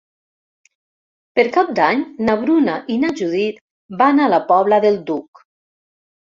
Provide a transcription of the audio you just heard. Per Cap d'Any na Bruna i na Judit van a la Pobla del Duc.